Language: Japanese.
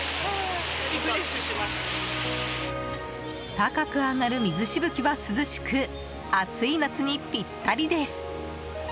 高く上がる水しぶきは涼しく暑い夏にぴったりです！